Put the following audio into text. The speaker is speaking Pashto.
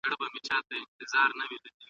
شل منفي اته؛ دوولس کېږي.